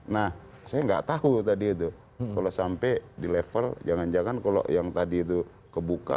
nah saya nggak tahu tadi itu kalau sampai di level jangan jangan kalau yang tadi itu kebuka